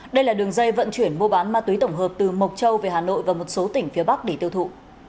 đây là đường dây vận chuyển mua bán ma túy tổng hợp từ mộc châu về hà nội và một số tỉnh phía bắc để tiêu thụ